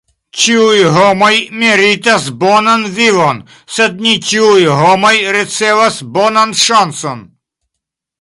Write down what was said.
Ĉiuj homoj meritas bonan vivon, sed ne ĉiuj homoj ricevas bonan ŝancon.